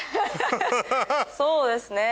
そうですね。